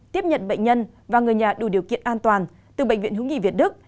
tiếp nhận bệnh nhân và người nhà đủ điều kiện an toàn từ bệnh viện hữu nghị việt đức